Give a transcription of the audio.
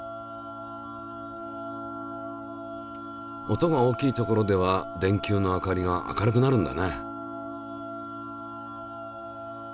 音が大きい所では電球の明かりが明るくなるんだね。